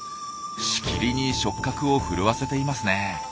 しきりに触角を震わせていますね。